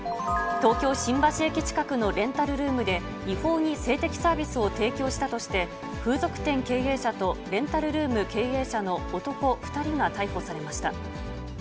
東京・新橋駅近くのレンタルルームで、違法に性的サービスを提供したとして、風俗店経営者と、レンタルルーム経営者の男２人が逮捕されました。